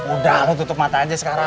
udah lo tutup mata aja sekarang